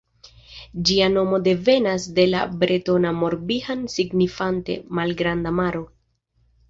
Ĝia nomo devenas de la bretona Mor-Bihan signifante Malgranda Maro.